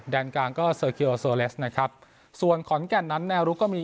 ด้านกลางก็นะครับส่วนขอนแก่นนั้นแนวรุกก็มี